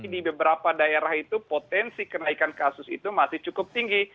di beberapa daerah itu potensi kenaikan kasus itu masih cukup tinggi